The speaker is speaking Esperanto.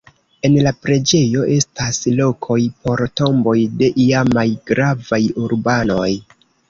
En la preĝejo estas lokoj por tomboj de iamaj gravaj urbanoj.